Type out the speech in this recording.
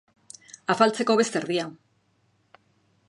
Afaltzeko, beste erdia.